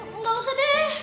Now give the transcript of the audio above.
kamu bawa ke sekolah ya